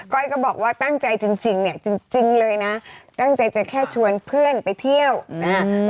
้อยก็บอกว่าตั้งใจจริงจริงเนี่ยจริงจริงเลยนะตั้งใจจะแค่ชวนเพื่อนไปเที่ยวอ่า